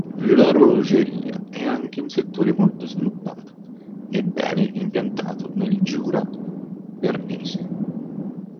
L'orologeria è anche un settore molto sviluppato e bene impiantato nel Giura bernese.